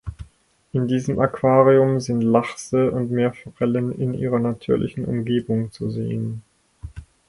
In diesem Aquarium sind Lachse und Meerforellen in ihrer natürlichen Umgebung zu sehen.